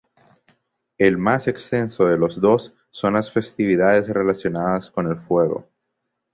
El más extenso de los dos son las festividades relacionadas con el fuego.